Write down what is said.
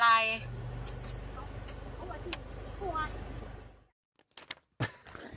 ๒๔บาท